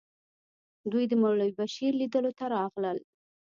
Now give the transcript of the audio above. دوی د مولوي بشیر لیدلو ته راغلل.